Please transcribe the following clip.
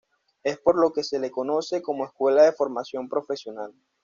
Es por lo que se le conoce como Escuela de Formación Profesional.